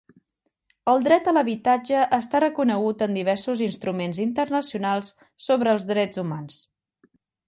El dret a l'habitatge està reconegut en diversos instruments internacionals sobre els drets humans.